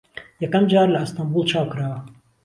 یەکەم جار لە ئەستەمبوڵ چاپ کراوە